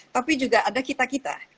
tapi juga ada kita kita